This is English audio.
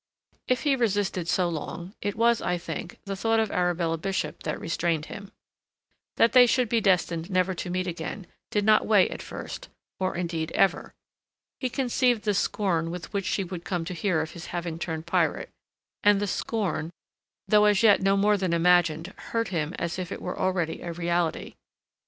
If he resisted so long, it was, I think, the thought of Arabella Bishop that restrained him. That they should be destined never to meet again did not weigh at first, or, indeed, ever. He conceived the scorn with which she would come to hear of his having turned pirate, and the scorn, though as yet no more than imagined, hurt him as if it were already a reality.